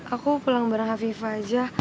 aku pulang bareng hafifa aja